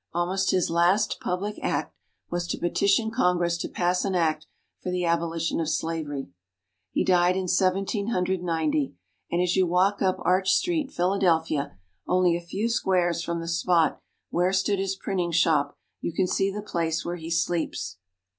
Almost his last public act was to petition Congress to pass an act for the abolition of slavery. He died in Seventeen Hundred Ninety, and as you walk up Arch Street, Philadelphia, only a few squares from the spot where stood his printing shop, you can see the place where he sleeps.